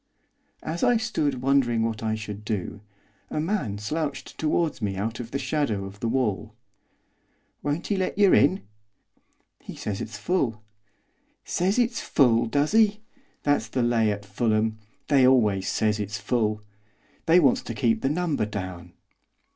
As I stood wondering what I should do, a man slouched towards me out of the shadow of the wall. 'Won't 'e let yer in?' 'He says it's full.' 'Says it's full, does 'e? That's the lay at Fulham, they always says it's full. They wants to keep the number down.